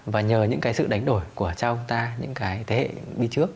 và nhờ những cái sự đánh đổi của cha ông ta những cái thế hệ đi trước